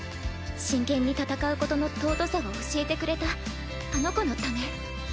真剣に戦うことの尊さを教えてくれたあの子のため。